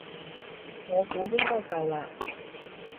我估應該夠啦